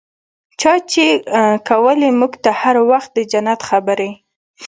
چا چې کولې موږ ته هر وخت د جنت خبرې.